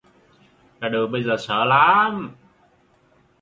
Ra đường bây giờ sợ lắm